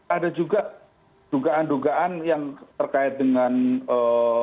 ada juga dugaan dugaan yang terkait dengan ee